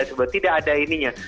sebenarnya tidak ada ininya